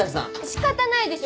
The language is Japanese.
仕方ないでしょ！